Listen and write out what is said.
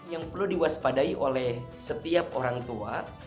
yang perlu diwaspadai oleh setiap orang tua